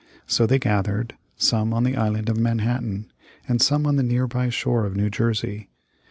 So they gathered, some on the Island of Manhattan, and some on the nearby shore of New Jersey.